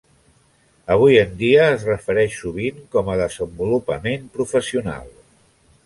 Avui en dia es refereix sovint com a desenvolupament professional.